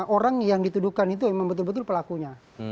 orang yang dituduhkan itu memang betul betul pelakunya